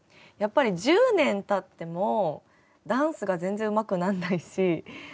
やっぱり１０年たってもダンスが全然うまくなんないし。